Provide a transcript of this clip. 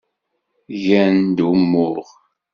Gan-d umuɣ.